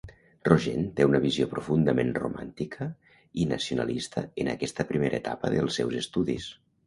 Rogent té una visió profundament romàntica i nacionalista en aquesta primera etapa dels seus estudis.